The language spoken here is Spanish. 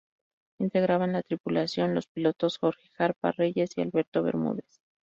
Integraban la tripulación los pilotos Jorge Jarpa Reyes y Alberto Bermúdez.